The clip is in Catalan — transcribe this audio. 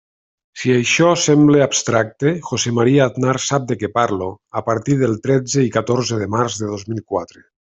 Si això sembla abstracte, José María Aznar sap de què parlo, a partir del tretze i catorze de març de dos mil quatre.